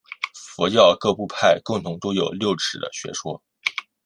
佛教各部派共同都有六识的学说。